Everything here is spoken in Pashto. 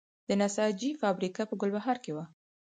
د نساجي فابریکه په ګلبهار کې وه